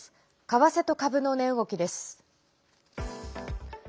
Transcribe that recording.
為替と株の値動きです。